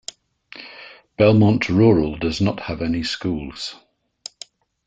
Belmont Rural does not have any schools.